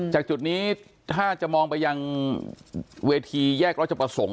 จากจุดนี้ถ้าจะมองไปยังเวทีแยกรัชประสงค์